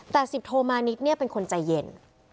แต่สิบโทมานิดเนี่ยเป็นคนใจเย็น